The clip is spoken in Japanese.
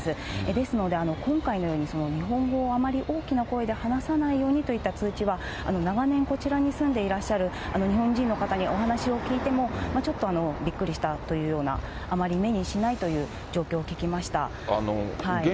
ですので、今回のように日本語をあまり大きな声で話さないようにといった通知は、長年こちらに住んでいらっしゃる日本人の方にお話を聞いても、ちょっとびっくりしたというような、あまり目にしないという状況聞きました。